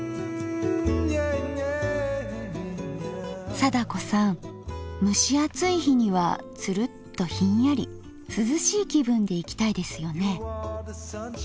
貞子さん蒸し暑い日にはツルッとひんやり涼しい気分でいきたいですよね。